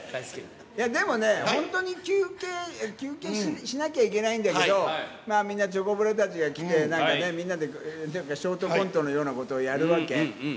いや、でもね、本当に休憩、休憩しなきゃいけないんだけど、みんなチョコプラたちが来て、なんかね、みんなでなんかショートコントのようなことをやるわけ。